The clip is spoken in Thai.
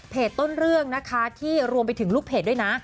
เพจต้นเรื่องนะคะที่รวมไปถึงลูกเถสนะ